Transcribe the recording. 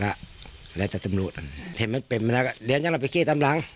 แล้วแล้วแต่ตำรวจเห็นมันเป็นมันแล้วก็เหลืองจังหลังไปเก้ตามหลัง